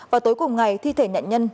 vào tối cùng ngày thi thể nhận nhân